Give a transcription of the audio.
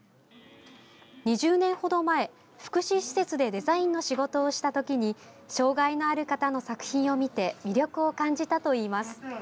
２０年程前、福祉施設でデザインの仕事をした時に障害のある方の作品を見て魅力を感じたといいます。